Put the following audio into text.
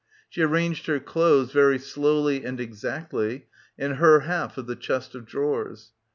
She arranged her clothes very slowly and exactly in her half of the chest of drawers.